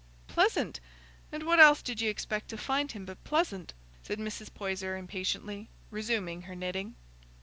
"Pleasant! and what else did y' expect to find him but pleasant?" said Mrs. Poyser impatiently, resuming her knitting.